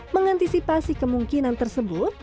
mengantisipasi kemungkinan tersebut